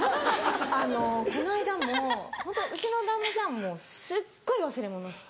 あのこの間もホントうちの旦那さんもすっごい忘れ物して。